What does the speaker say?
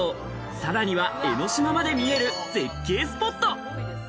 さらには江の島まで見える絶景スポット。